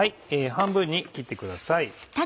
半分に切ってください。